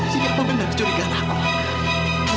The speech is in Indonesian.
jadi apa benar kecurigaan aku